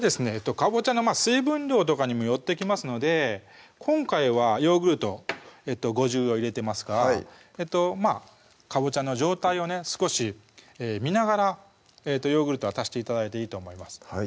かぼちゃの水分量とかにもよってきますので今回はヨーグルト５０を入れてますがかぼちゃの状態をね少し見ながらヨーグルトは足して頂いていいと思います